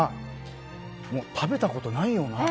もう食べたことないような。